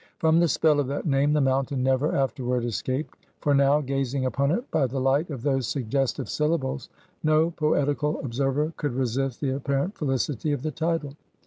From the spell of that name the mountain never afterward escaped; for now, gazing upon it by the light of those suggestive syllables, no poetical observer could resist the apparent felicity of the title.